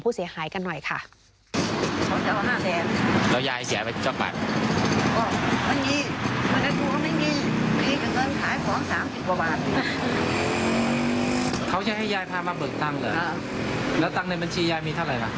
เบิกแล้วเขาไม่ให้